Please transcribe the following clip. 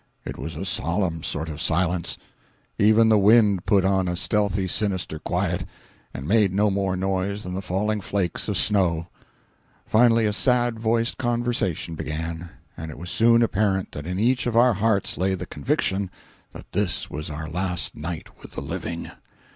It was a solemn sort of silence; even the wind put on a stealthy, sinister quiet, and made no more noise than the falling flakes of snow. Finally a sad voiced conversation began, and it was soon apparent that in each of our hearts lay the conviction that this was our last night with the living.